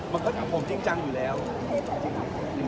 ภูเขาเร็วเลยอย่างนึง